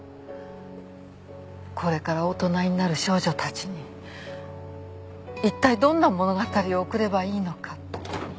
これから大人になる少女たちに一体どんな物語を贈ればいいのか。